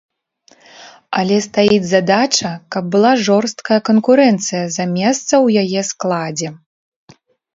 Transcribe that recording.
Але стаіць задача, каб была жорсткая канкурэнцыя за месца ў яе складзе.